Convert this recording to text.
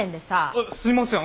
あすいません